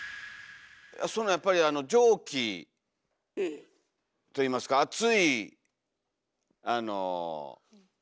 やっぱり蒸気といいますか熱いあの。